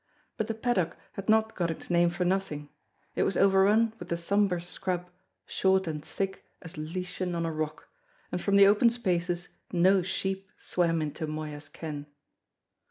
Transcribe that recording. But the paddock had not got its name for nothing; it was overrun with the sombre scrub, short and thick as lichen on a rock; and from the open spaces no sheep swam into Moya's ken.